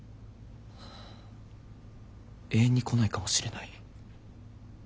永遠に来ないかもしれない。